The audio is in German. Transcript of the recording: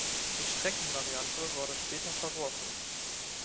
Die Streckenvariante wurde später verworfen.